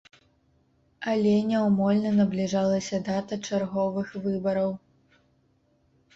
Але няўмольна набліжалася дата чарговых выбараў.